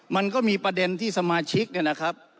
มันก็มีประเด็นที่สมาชิกเนี่ยนะครับ